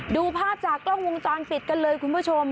ดูภาพจากกล้องวงจรปิดกันเลยคุณผู้ชม